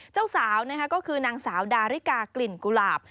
เจ้าสาวก็คือนางสาวดาริกากลิ่นกุหลาบ